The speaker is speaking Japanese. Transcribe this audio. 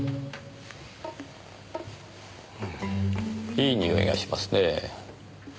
いいにおいがしますねぇ。